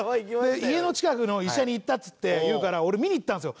家の近くの医者に行ったっつって言うから俺見に行ったんですよ。